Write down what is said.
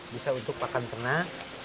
bisa untuk pakan ternak